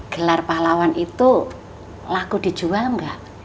gelar pahlawan itu laku dijual nggak